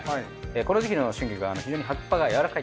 この時期の春菊は非常に葉っぱが柔らかい。